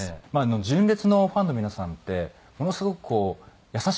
純烈のファンの皆さんってものすごくこう優しい方が。